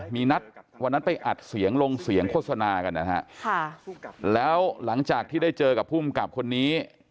มีนัดวันนั้นไปอัดเสียงลงเสียงโฆษณากันนะฮะค่ะแล้วหลังจากที่ได้เจอกับภูมิกับคนนี้